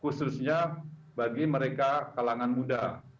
khususnya bagi mereka kalangan muda